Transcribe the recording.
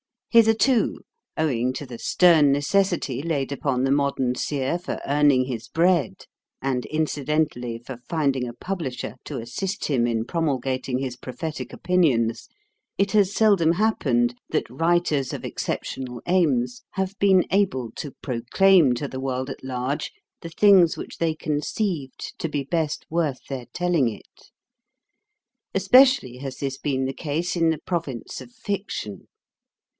Hitherto, owing to the stern necessity laid upon the modern seer for earning his bread, and, incidentally, for finding a publisher to assist him in promulgating his prophetic opinions, it has seldom happened that writers of exceptional aims have been able to proclaim to the world at large the things which they conceived to be best worth their telling it. Especially has this been the case in the province of fiction.